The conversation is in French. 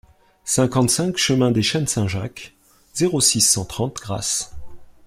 cinquante-cinq chemin des Chênes Saint-Jacques, zéro six, cent trente, Grasse